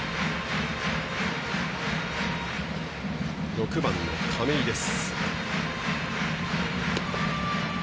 ６番の亀井です。